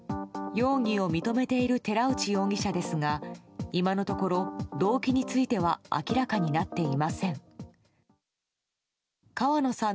容疑を認めている寺内容疑者ですが今のところ、動機については明らかになっていません。